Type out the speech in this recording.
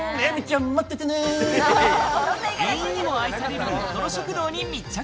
店員にも愛されるレトロ食堂に密着！